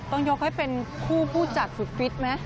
ต้องยกให้เป็นคู่ผู้จัดสุดฟิตไหม